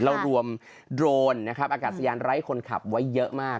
เรารวมโดรนนะครับอากาศยานไร้คนขับไว้เยอะมาก